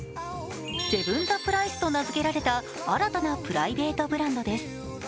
セブン・ザ・プライスと名付けられた新たなプライベートブランドです。